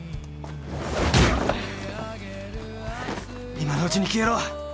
今のうちに消えろ！